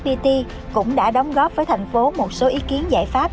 vnpt viettel fpt cũng đã đóng góp với thành phố một số ý kiến giải pháp